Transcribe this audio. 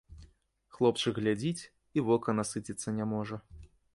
Хлопчык глядзіць, і вока насыціцца не можа.